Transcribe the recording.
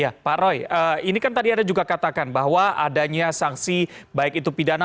ya pak roy ini kan tadi anda juga katakan bahwa adanya sanksi baik itu pidana